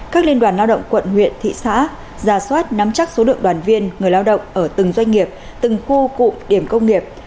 các liên đoàn lao động quận huyện thị xã ra soát nắm chắc số lượng đoàn viên người lao động ở từng doanh nghiệp từng khu cụm điểm công nghiệp